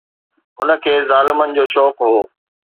هن کي ظالمن جو شوق هو.